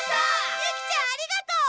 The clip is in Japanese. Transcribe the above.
ユキちゃんありがとう！